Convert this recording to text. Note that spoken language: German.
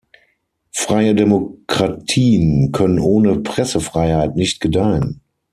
Freie Demokratien können ohne Pressefreiheit nicht gedeihen.